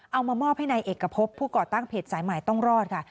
เอามามอบให้ในเอกพบผู้ก่อตั้งเพจสายใหม่ต้องรอดค่ะ